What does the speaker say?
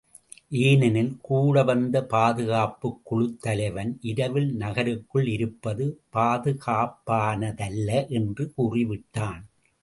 ஏனெனில் கூட வந்த பாதுகாப்புக் குழுத் தலைவன் இரவில் நகருக்குள் இருப்பது பாதுகாப்பானதல்ல என்று கூறிவிட்டான்.